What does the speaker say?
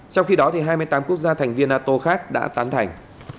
trong khi đó hai mươi tám quốc gia thành viên nato khác đã tán thành